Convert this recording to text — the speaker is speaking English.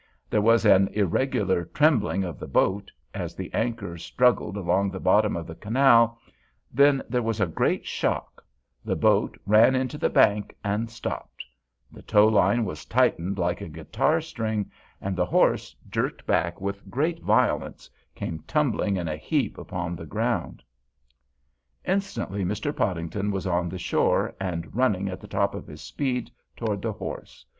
There was an irregular trembling of the boat as the anchor struggled along the bottom of the canal; then there was a great shock; the boat ran into the bank and stopped; the tow line was tightened like a guitar string, and the horse, jerked back with great violence, came tumbling in a heap upon the ground. Instantly Mr. Podington was on the shore and running at the top of his speed toward the horse.